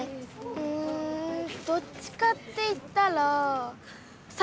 うんどっちかって言ったらサチかな？